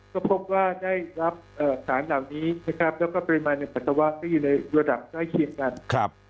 ก็พบว่าได้รับสารเหล่านี้นะครับแล้วก็ปริมาณในปัสสาวะที่อยู่ในระดับใกล้เคียงกัน